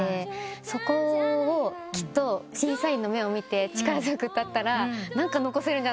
そこをきっと審査員の目を見て力強く歌ったら何か残せるんじゃないかと思って。